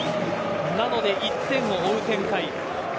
なので１点を追う展開。